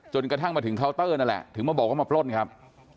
กระทั่งมาถึงเคาน์เตอร์นั่นแหละถึงมาบอกว่ามาปล้นครับ